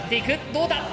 どうだ！